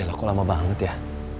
dia laku lama banget ya